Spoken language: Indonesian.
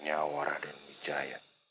nyawara dan mijaya